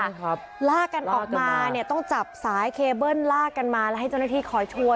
ครับลากกันออกมาเนี่ยต้องจับสายเคเบิ้ลลากกันมาแล้วให้เจ้าหน้าที่คอยชวน